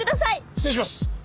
失礼します。